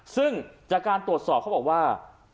ซึ่งจากการตรวจสอบเขาบอกว่า